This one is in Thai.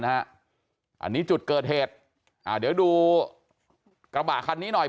อันนี้จุดเกิดเหตุเดี๋ยวดูกระบะคันนี้หน่อย